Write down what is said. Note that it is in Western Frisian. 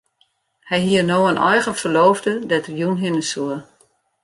Hy hie no in eigen ferloofde dêr't er jûn hinne soe.